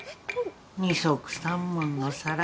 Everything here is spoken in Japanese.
二束三文の皿。